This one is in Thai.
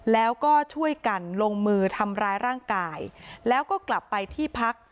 แล้วก็ช่วยกันลงมือทำร้ายร่างกายแล้วก็กลับไปที่พัก